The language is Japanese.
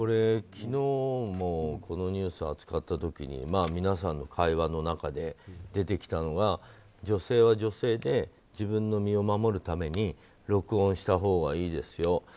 昨日もこのニュース扱った時に皆さんの会話の中で出てきたのが女性は女性で自分の身を守るために録音したほうがいいですよ。